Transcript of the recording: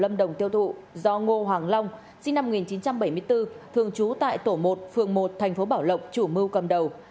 lâm đồng tiêu thụ do ngô hoàng long sinh năm một nghìn chín trăm bảy mươi bốn thường trú tại tổ một phường một thành phố bảo lộc chủ mưu cầm đầu